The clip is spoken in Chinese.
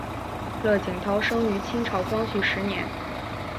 乐景涛生于清朝光绪十年。